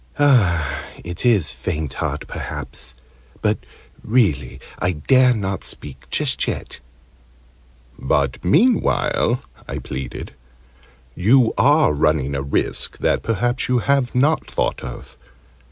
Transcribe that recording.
"It is 'faint heart,' perhaps. But really I dare not speak just yet." "But meanwhile," I pleaded, "you are running a risk that perhaps you have not thought of.